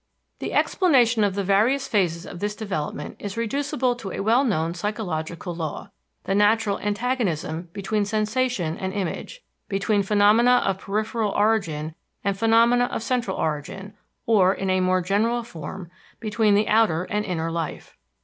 The explanation of the various phases of this development is reducible to a well known psychologic law the natural antagonism between sensation and image, between phenomena of peripheral origin and phenomena of central origin; or, in a more general form, between the outer and inner life.